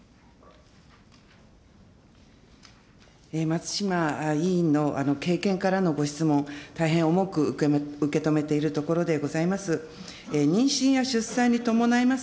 松島委員の経験からのご質問、大変重く受け止めているところでございます。